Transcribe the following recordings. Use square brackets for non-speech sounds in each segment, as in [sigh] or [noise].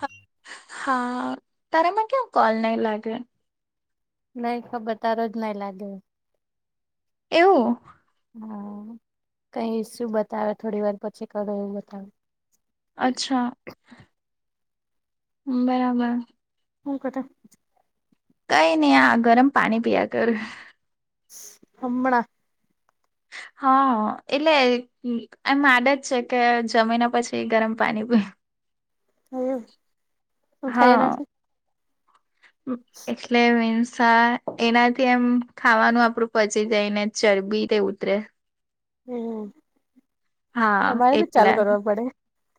હં, હા તારામાં કેમ કોલ નહીં લાગે? નહીં ખબર તારો જ નહીં લાગે. એવું? હા. કંઈ ઈશું બતાવે, થોડી વાર પછી કરો એવું બતાવે. અચ્છા બરાબર. હું કરતા? કંઈ નહીં, આ ગરમ પાણી પિયા કરું. ઈસ હમણા? હા. એટલે એમ આદત જ છે કે જમીને પછી ગરમ પાણી પીઉં. એવું શું થાય હા એનાથી? એટલે મિનસા એનાથી એમ ખાવાનું આપડું પચી જાય ને ચરબી તે ઉતરે. હમ્મ અમારે ભી ચાલુ કરવા પડે.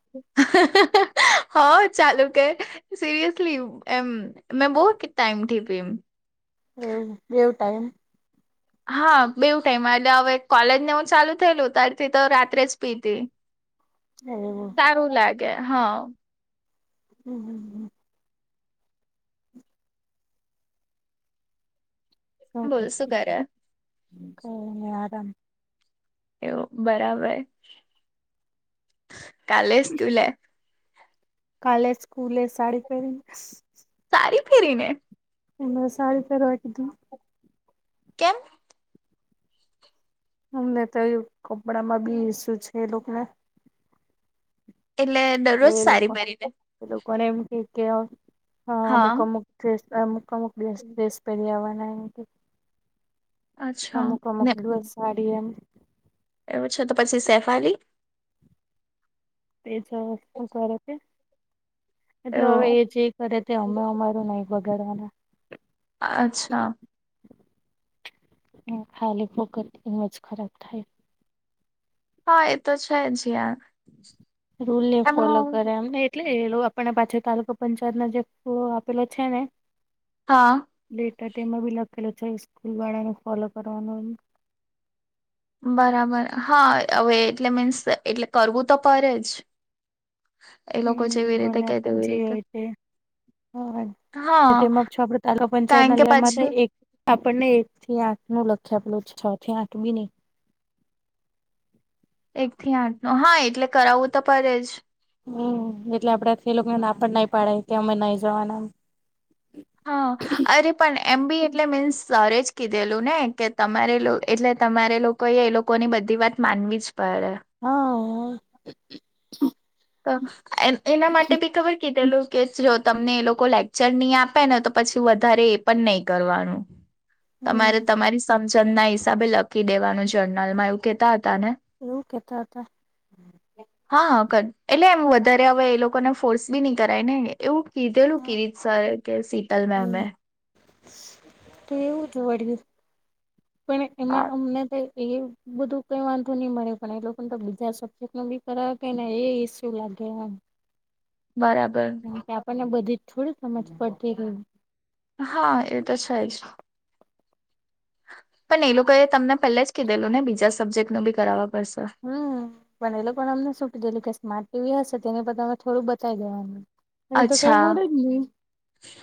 [inaudible] હં ચાલુ કર સિરિયસલી એમ મેં બહું ટાઈમ થી પીયુ એવું બેવ [unintelligible] ટાઈમ હા બેવું ટાઈમ એટલે હવે કોલેજ ને એવું ચાલુ થયેલું ત્યારથી તો રાત્રે જ પીતી. [inaudible] હમ્મ હારું લાગે હા. હું હું ઓકે બોલ શું કરે કઈની આરામ. કેવું બરાબર કાલે સ્કુલે? કાલે સ્કૂલે સાડી પેરીસ? સાડી પેહરીને. એમા સાડી પેહરવા કીધુ. કેમ? હમને તો ઇ કપડા માં બી સું છે એ લોક ને એટલે દરરોજ એ લોકો સાડી પેરીનેે એ લોકોને એમ કે કે હ અમુક હા અમુક જે સા અમુક ડેસ પેરી આવવાના એમ કે અચ્છા અમુક અમુક ને દિવસ સાડી એમ એવું છે તો પછી સેફાલી એ ચ હું કરે તે એટલે હવે એવું એ જે કરે તે અમે અમારું નઇ બગાડવાના અચ્છા. હ ખાલી ફોકટ એમ જ ખરાબ થાય. હા એ તો છે જ યાર રૂલે ફોલો એમાં કરે એમને એટલે એ લોકો આપને પાછો તાલુકો પંચાયત ના જે આપેલો છે ને હા. ડેટા તેમાં બી લખેલો છે સ્કૂલ વાળાને ફોલો કરવાનો બરાબર હા હવે એટલે મીન્સ એટલે કરવું તો પડે જ એ હું લોકો જેવી રીતે ભલે કે આપડું તેવી જે રીતે હોય તે હવે હા તેમાં છ આપડે તાલુકા પંચાયત કારણ ના કે લેય માં તે પછી એક આપણને એક થી આઠનું લખી આપલું છે છ થી આઠ બી નઈ એક થી આઠ નો હા એટલે કરાવું તો પડે જ હું એટલે આપડાથી એ લોકોને ના પણ નઈ પાડાય કે અમે નઈ જવાના એમ હા અરે પણ એમ બી એટલે મીન્સ સરે જ કીધેલું ને કે તમારે લું એટલે તમારે લો કોઈએ એ લોકોની બધી વાત માનવી જ પડે હઅ [inaudible] અ એમ એના માટે બી ખબર કીધેલું કે જો તમને એ લોકો લેક્ચર ની આપે ને તો પછી વધારે પન નઇ કરવાનું તમારે તમારી સમજણ ના હિસાબે લખી દેવાનું જર્નલમાં એવું કેતા હતા ને એવું કેતા અતા હા ક એટલે એમ વધારે હવે એ લોકોને ફોર્સ બી ની કરાય ને એવું કીધેલું કીરીત સરે કે શીતલ મેમે તેવું જ વળી પણ હા એમાં અમને તો કેએ બધું કઈ વાંધો ની મળે પણ એ લોકોને તો બીજા સબ્જેક્ટનું બી કરાવે કે ને એ ઈસ્યુ લાગે એમ બરાબર. કારણ કે આપણને બધી જ થોડી સમજ પડતી હોય હા એ તો છે જ પન એ લોકોએ તમને પેલે જ કીધેલું ને બીજા સબ્જેક્ટ નું બી કરાવા પડશે હું પણ એ લોકોને અમને સુ કીધેલું કે સ્માર્ટ ટીવી હશે તેની પર તમે થોડું બતાવી દેવાનું અને તો કઈ અચ્છા મળે જ નહી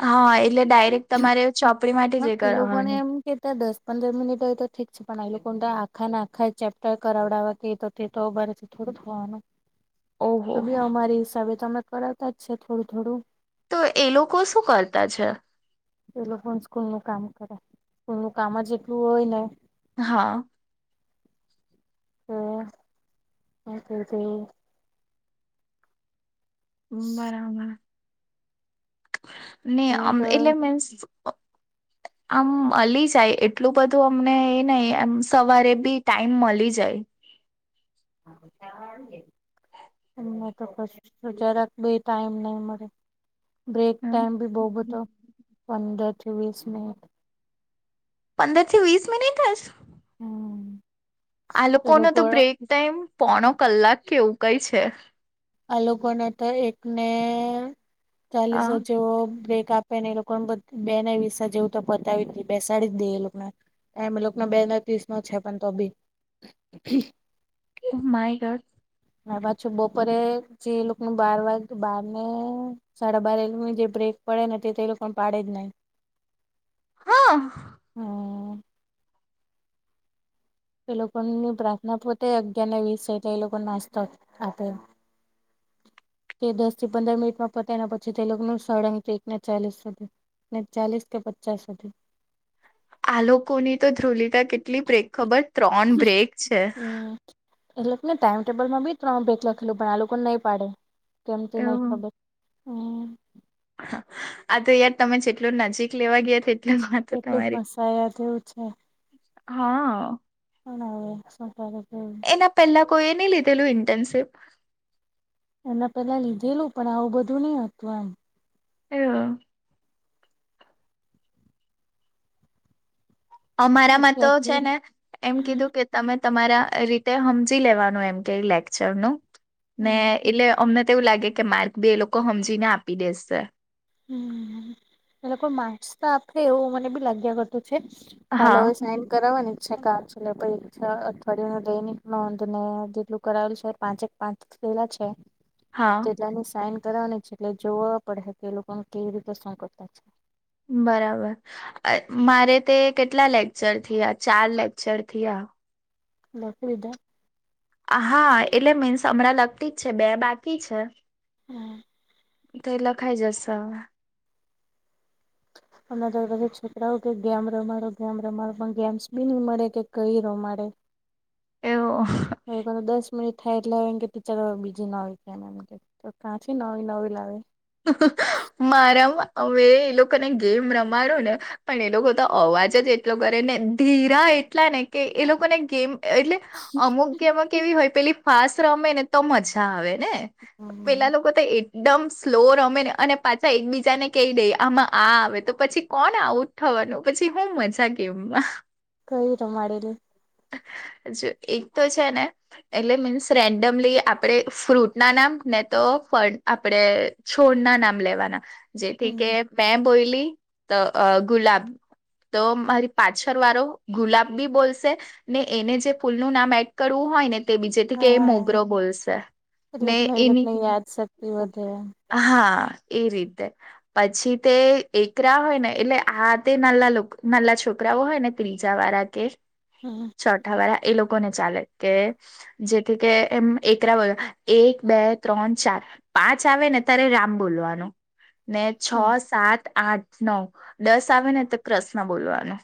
હા એટલે તમને ડાયરેક્ટ તમારે ચોપડી માટે હા જે કરવાની એ તો દસ પંદર મિનિટ ઓય તો ઠીક છે પણ એલોકોને ત આખાને આખા ચેપ્ટર કરાવડાવા કેય તો તે તો અમારે થોડુ થવાનો તો ઓહો બી અમારી હિસાબે તમે અમે કરાવતા જ છે, થોડું થોડું તો એ લોકો શું કરતા છે? એ લોકોનુ સ્કૂલ નું કામ કરે સ્કૂલ નું કામ જ એટલું હોય ને. હા. હા. [unintelligible] બરાબર. ને આમ તો એટલે મીન્સ. આમ અલી જાય એટલું બધું અમને એ નઈ સવારે બી ટાઈમ મલી જાય. [unintelligible] એમને તો કશુ, જરાક બી ટાઈમ નહી મળે. બ્રેક હમ. ટાઈમ બી બહુ બધો પંદર થી વીસ મિનિટ. પંદર થી વીસ મિનિટ જ! હમ. આ એ લોકોનો લોકો તો બ્રેક ટાઈમ પોણો કલાક કે એવું કઈ છે. આ લોકોને તો એકને હ ચાલીસ હજો બ્રેક આપ પને એ લોકોને બધ બે ને વિસે જેવું તો પતાવી. બેસાડી જ દે એ લોકોને. એમ લોકો ન બે ને ત્રીસ નો છે. પણ તો બી. My God. ને પાછું બપોરે જે એ લોકોનુ બાર વાગે બાર ને. સાડા બાર એ જે બ્રેક પડે ને તે તો એ લોકો ને પાડે જ નહી. હા. હ.. એ લોકોની પ્રાર્થના પતે અગિયાર ને વીસ એટે લે એ લોકો ને નાસ્તો આપે. તે દસ થી પંદર મિનિટમાં પતે ના પછી તે લોકનું સળંગ એક ના ચાલીસ સુધી. ને ચાલીસ કે પચાસ સુધી. આ લોકોની તો ધ્રુલિતા કેટલી બ્રેક ખબર છે ત્રણ બ્રેક છે. હમ એ લેકને ટાઈમ ટેબલમાં બી ત્રણ બ્રેક લખેલુ પણ આ લોકો નહી પાડે. કેમ [unintelligible] નઈ એવું ખબર. આ તો યાર તમે જેટલું નજીક લેવા ગયા તે કેટલું ફસાયા જેવું છે. હા પણ હવે શું કરું [inaudible] એના પેલા કોઈએ નહીં લીધેલું ઇન્ટર્નશિપ. એના પેલા લીધેલું પણ આવું બધું નહતું એમ. એઅ. અમારામાં તો છે અત્યારથી ને એમ હમ કીધું કે, તમે તમારા રીતે હમજી લેવાનું એમ કે લેક્ચર નું ને. એટલે અમને તો એવું લાગે કે માર્ક બી એ લોકો સમજીને આપી દેશે. હમ એ લોકો માર્ક્સ તો આપે એવું મને બી લાગ્યા કરતું છે. કાલ હા હવે સાઈન કરાવવાની જ છે કાલ. એટલે પહી છ અઠવાડયિયા ન દૈનિક નોંધ ને જેટલું કરાવેલ છે. પાંચેક પાંચ. પેલા છે. હા. એલાની સાઈન કરવાની છે એટલે જોવા પડેહે કે એ લોકોને કેવી રીતે શું કરતા છે? બરાબર. અ મારે તે કેટલા લેક્ચર થયા ચાર થયા. લખી લીધા. હા એટલે મીન્સ હમણાં લખતી જ છે, બે બાકી છે, હમ [inaudible] તો‌એ લખાઈ જશે, અને જો પછી છોકરાઓ કે ગેમ રમાડો ગેમ રમાડો પણ ગેમ્સ બી નહી મળે કે કઈ રમાડે એવો હવે કોને દસ મિનિટ થાય એટલે હવે એમ કે ટીચર હવે બીજી ના હોય થાય એમ કે તો કાંચી લાવી નવી લાવે મારા વે એ લોકોને ગેમ રમાડુ ને, પણ એ લોકો તો અવાજ જ એટલો કરે ને ધીરા એટલા ને કે એ લોકોને ગેમ એટલે અમુક એમાં કેવી હોય પેલી ફાસ્ટ રમે ને તો મજા આવે ને, હમ પેલા લોકો તો એકદમ સ્લો રમે ને અને પાછા એકબીજાને કહી દઈ આમાં આ આવે તો પછી કોણ આવું. થવાનું પછી હું મજા ગેમમાં, કઇ રમાડેલી, જો એક તો છે ને, એટલે મીન્સ રેન્ડમલી આપણે ફ્રૂટના નામ ને તો ફળ-આપણેે છોડ નામ લેવાના હમ કે મેં બોયલી તો ગુલાબ તો મારી પાછળ વાળો ગુલાબ બી બોલશે, ને એને જે ફૂલનું નામ એડ કરવું હોય ને, તે બીજેથી કે એ હા મોગરો બોલશે એટલે ને નવી એની લોકોને [inaudible] [unintelligible] હા એ રીતે, પછી તે એકરા હોય ને એટલે આ તે નાલા નાલા છોકરાઓ હોય ને ત્રીજા વાળા તે હમમ ચોઠા વાળા એ લોકો ને ચાલે કે જેથી કે એમ એકરા બ એક, બે, ત્રણ, ચાર, પાંચ આવે ને ત્યારે રામ બોલવાનું ને છ, હમ સાત, આઠ, નવ દસ આવે ને તો કષ્ન બોલવાનું,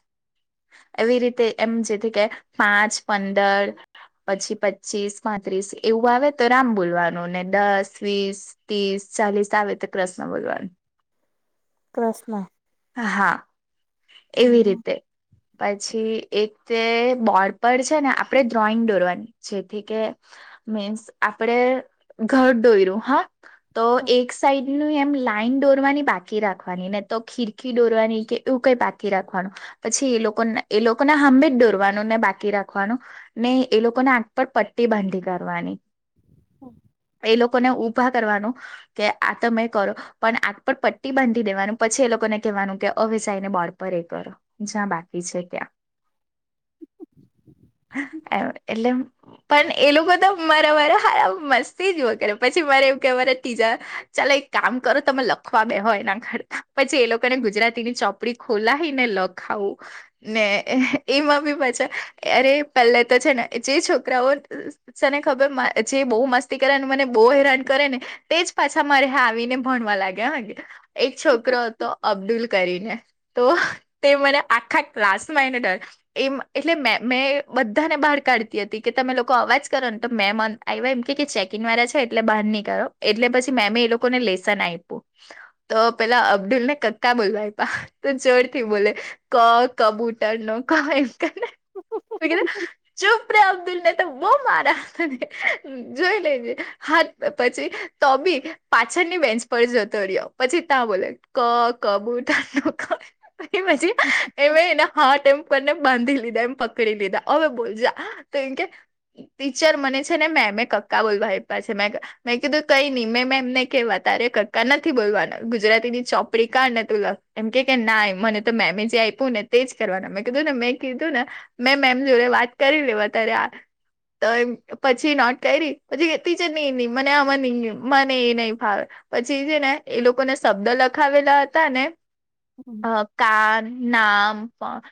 એવી રીતે એમ જેથી કે પાંચ, પંદર, પછી પચીસ, પાંત્રીસ એવું આવે તો રામ બોલવાનું ને, દસ, વીસ ત્રીસ, ચાલીસ આવે તો કષ્ણ બોલવાનું, ક્રષ્ન હા એવી હમ રીતે, પછી એક તે બોર્ડ પર છે ને આપડે ડ્રોઈંગ દોરવાની, જેથી કે મીન્સ આપડે ઘર દોઈર્યું હા તો એક સાઈડ પેલું એમ લાઇન દોરવાની બાકી રાખવાની ને તો ખીરકી દોરવાની એવું કઈ બાકી રાખવાનું, પછી એ લોકો એ લોકોને હામેજ દોરવાનું ને બાકી રાખવાનું, ને એ લોકોને આંખ પર પટ્ટી બાંધી કરવાની, હમ [inaudible] એ લોકોને ઉભા કરવાનું કે આ તમે કરો, પણ આંખ પર પટ્ટી બાંધી દેવાનું પછી એ લોકો ને કહેવાનું કે અવેસાયને બોડૅ પર એ કરો. જ્યાં બાકી છે ત્યાં- એટલે, એમ પણ એ લોકો તો મારા વારે હારા મસ્તી જુ કરે પછી મારે કે વરે ત્રીજા ચાલ એક કામ કરો તમે લખવા બે હો એના પછી એ લોકોને ગુજરાતીની ચોપ- ઉપડી ખોલાહિ ને લખાવું ને એમાં બી પાછા અરે પહેલા તો છે ને જે છોકરાઓ તને ખબર જે બહુ મસ્તી કરે અને મને બહુ હેરાન કરે ને તે જ પાછા મારે આવીને ભણવા લાગ્યા હા ગે. એક છોકરો હતો અબ્દુલ કરીને તો તે મને આખા ક્લાસમાં એને ડર એમ એટલે મેં મેં બધાને બહાર કાઢતી હતી કે તમે લોકો અવાજ કરો ને તો મેમાન આવ્યા એમ કે ચેકિંગ વાળા છે એટલે બહાર નહી કરો એટલે પછી મેમે એ લોકોને લેસન આઈપૂ તો પેલા અબ્દુલ ને કતા બોલવાયપ તો જોર થી બોલે ક કબૂતર નો ક એમ કરને. [inaudible] મેં કીધું ચુપ રે અબ્દુલને તો બઉ મારા. જોઈ લેજે હા ત પછી તો બી પાછળની બેન્ચ પર જતો રહ્યો પછી ત્યાં બોલે ક કબુતર નો ક એમે એના હાથ એમ બન્ને બાંધી લીધા એમ પકડી લીધા હવે બોલ જા તો એમ કે ટીચર મને છે ને મેં મેં કક્કા બોલવા મેં કા મેં કીધું કઈ નહી મેં મેં એમને કેવા તારે કકા નથી બોલવાના ગુજરાતી ની ચોપડી કાઢને તું લખ એમ કે કે ના મને તો મેમે જે આપ્યું ને તેજ કરવાનું મેં કીધું ને મેં કીધું ને મેં મેમ જોડે વાત કરી લેવા અત્યારે તો એમ પછી નોટ કરી પછી કે ટીચર ની નીમ મને આમાં નહીં એ મને એ નઈ ફાવે. પછી છે ને એ લોકોને શબ્દ લખાવેલા હતા ને હમ અહ કાન નામ પણ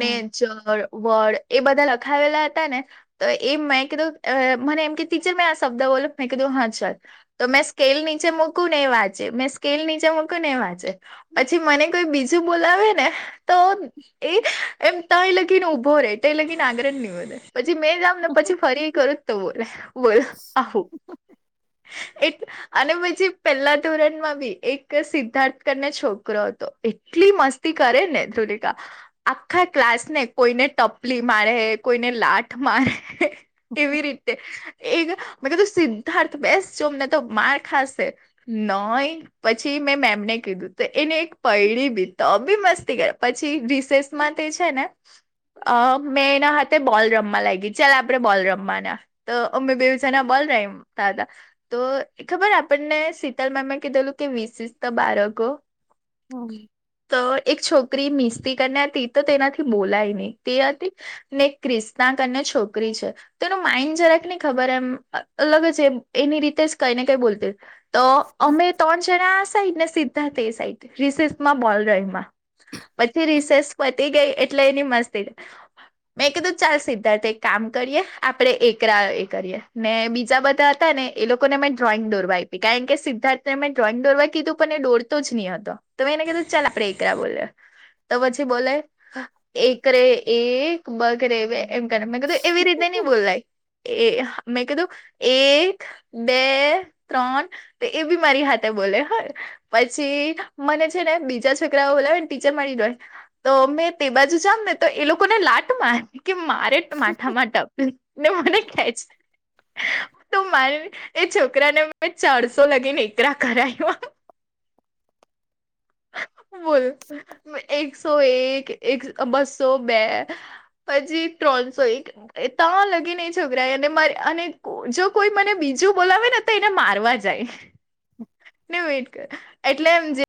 ને ચળ વળ એ બધા લખાવેલા હતા ને તો એમ મેં કીધું અહ મને એમ કે તીજે મેં આ શબ્દ બોલુ મેં કીધું હા ચાલ તો મેં સ્કેલ નીચે મૂકું ને એ વાંચે મેં સ્કેલ નીચે મૂકૂ ને એ વાંચે. પછી મને કોઈ બીજું બોલાવે ને તો એ એમ તં એ લગીને ઊભો રહેે તો એ લગીને આગર હી નહીં વધે. પછી મેં જામ ને પછી ફરી કરું તો બોલે બોલ આહું. એ અને પછી પહેલા ધોરણમાં બી એક સિદ્ધાર્થ કરી ને છોકરો હતો એટલી મસ્તી કરે ને ધુલિકા આખા ક્લાસ ને કોઈને ટપલી મારે કોઈને લાતમારે એવી રીતે એક મેં કીધું સિદ્ધાર્થ બેસ જો નહીં તો માર ખાશે. નોઇ. પછી મેં મેમને કીધું તે એને એક પૈડીલીધી બી મસ્તી ક રે પછી રિસેસ માં તે છે ને અહ મેં એના હાથે બોલ રમવા લાગી ચાલ આપણે બોલ રમવાના. તો અમે બેઉ જના બોલ રમતા હતા. તો ખબર આપણને શીતલ મેમે કીધેલું કે વિશિષ તો બાળકો હમ્મ. તો એક છોકરી મિસ્ટી કરીને હતી તો તેનાથી બોલાય નહી તે હતી. ને ક્રિસ્તાં કરી છોકરી છે તો એનું માઈન્ડ જરાક નહી ખબર એમ અલગ છે એની રીતે જ કઈ ને કઈ બોલતી તો અમે ત્રણ જણા આ સાય ને સી તા તે સાઈડ થી. રિસેસમાં બોલ રમાંયા. પછી રિસેસ પતી ગઈ એટલે એની મસ્તી મેં કીધું ચાલ સિદ્ધાર્થ એક કામ કરીએ આપણે એકરા એ કરીએ ને બી બીજા બધા હતા ને એ લોકોને મેં ડ્રોઈંગ દોરવા આયપી કારણ સિદ્ધાર્થને મેં ડ્રોઈંગ દોરવા કીધું પણ દોર તો જ નહી હતો તો એને કીધું ચાલ આપણે એકડા બોલીએ તો પછી બોલે એક રે એક બગડે બે એમ કેને કીધું એવી નહી બોલય એ મેં કીધું એક બે ત્રણ એ બી હાથે બોલે હો પછી મને છે ને બીજા છોકરાઓ બોલાવે ને ટીચર મરી ગઈ મેં તે બાજુ જામ ને તો એ લોકોને લાટ મા માય માથામાં ટપ ને મને ખેંચે મારે એ છોકરા ને મેં ચારસો લગીને એકરા કરાવ્યા બોલ. એકસો એક એક બસો બે પછી ત્રણસો એક ત લગી નહીં છોકરા અને મારે અને જો કોઈ મને બીજું બોલાવે ને તો એને મારવા જાય ને એ ઓ એટલે એમ જે